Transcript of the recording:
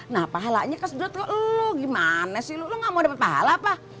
nah pahalanya kan sedot ke lo gimana sih lo lo gak mau dapet pahala apa